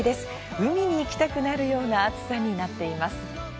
海に行きたくなるような暑さになっています。